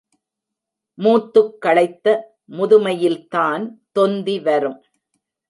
மூத்துக் களைத்த முதுமையில்தான் தொந்தி வரும்.